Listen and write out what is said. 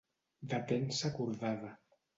De pensa acordada.